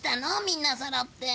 みんなそろって。